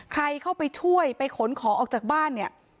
ใครเข้าไปช่วยไปขนของออกจากบ้านเนี่ย